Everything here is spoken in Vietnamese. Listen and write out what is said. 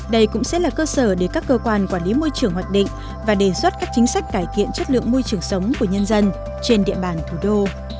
đây cũng sẽ là cơ sở để các cơ quan quản lý môi trường hoạch định và đề xuất các chính sách cải thiện chất lượng môi trường sống của nhân dân trên địa bàn thủ đô